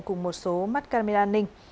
cùng một số mắt camera an ninh